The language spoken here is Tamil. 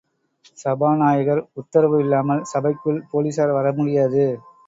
சபாநாயகர் உத்தரவு இல்லாமல் சபைக்குள் போலீசார்வர முடியாது.